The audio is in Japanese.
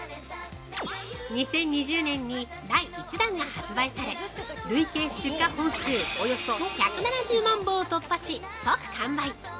２０２０年に第１弾が発売され累計出荷本数およそ１７０万本を突破し即完売。